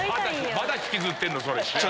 まだ引きずってんの？